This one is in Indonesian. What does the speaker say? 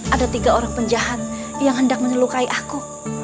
ada tiga orang penjahat yang hendak menyelukai aku